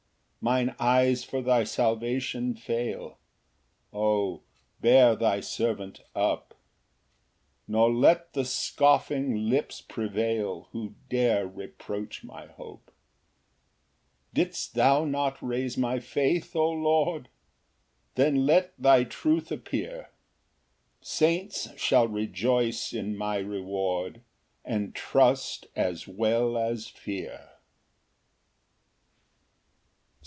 Ver. 132 42. 3 Mine eyes for thy salvation fail; O bear thy servant up; Nor let the scoffing lips prevail, Who dare reproach my hope. Ver. 49 74. 4 Didst thou not raise my faith, O Lord? Then let thy truth appear: Saints shall rejoice in my reward, And trust as well as fear.